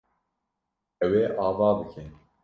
Ew ê ava bike.